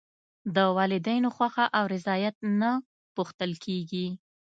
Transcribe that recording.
د والدینو خوښه او رضایت نه پوښتل کېږي.